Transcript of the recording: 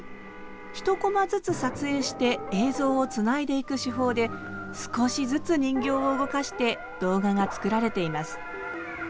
１コマずつ撮影して映像をつないでいく手法で少しずつ人形を動かして動画が作られています。